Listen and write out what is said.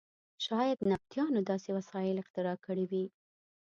شاید نبطیانو داسې وسایل اختراع کړي وي.